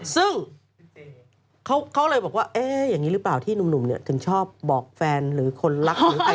ซึ่งเขาเลยบอกว่าอย่างนี้หรือเปล่าที่หนุ่มถึงชอบบอกแฟนหรือคนรักหรือใคร